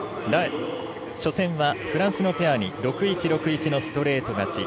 初戦は、フランスのペアに６−１、６−１のストレート勝ち。